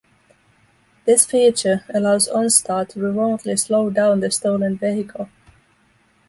This feature allows OnStar to remotely slow down the stolen vehicle.